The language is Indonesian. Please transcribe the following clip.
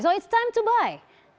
jadi saatnya membeli